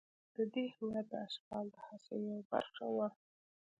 د دې هېواد د اشغال د هڅو یوه برخه وه.